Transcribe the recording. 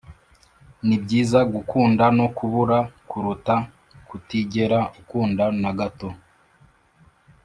nibyiza gukunda no kubura kuruta kutigera ukunda na gato